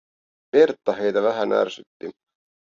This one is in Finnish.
Pertta heitä vähän ärsytti.